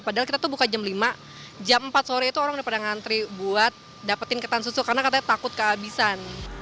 padahal kita tuh buka jam lima jam empat sore itu orang udah pada ngantri buat dapetin ketan susu karena katanya takut kehabisan